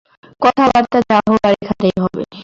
কথাবার্তা যা হবার এখানেই হবে।